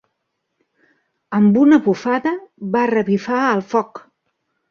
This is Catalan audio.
Amb una bufada va revifar el foc.